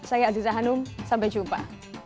saya aziza hanum sampai jumpa